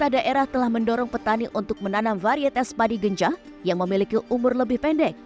pemerintah daerah telah mendorong petani untuk menanam varietas padi gencah yang memiliki umur lebih pendek